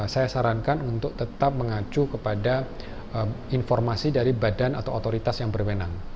saya sarankan untuk tetap mengacu kepada informasi dari badan atau otoritas yang berwenang